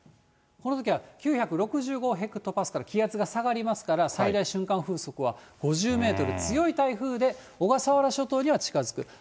このときは９６５ヘクトパスカル、気圧が下がりますから、最大瞬間風速は５０メートル、強い台風で、小笠原諸島には近づく。